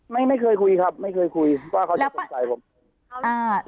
ไม่เคยคุยครับไม่เคยคุยว่าเขาจะสงสัยผม